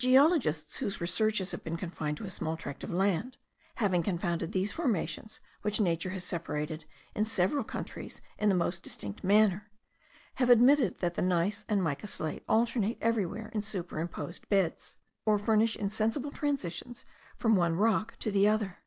Geologists whose researches have been confined to a small tract of land, having confounded these formations which nature has separated in several countries in the most distinct manner, have admitted that the gneiss and mica slate alternate everywhere in superimposed beds, or furnish insensible transitions from one rock to the other.